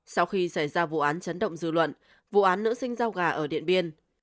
sau khi xảy ra vụ án chấn động dư luận vụ án nữ sinh giao gà ở điện biên